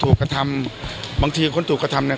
แต่ผมเนี้ยมีความบรรทับ